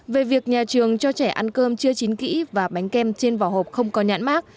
về việc nhà trường cho trẻ ăn cơm chưa chín kỹ và bánh kem trên vỏ hộp không có nhãn mát